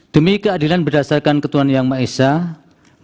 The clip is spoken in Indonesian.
demi keadilan berdasarkan ketuan yang maesah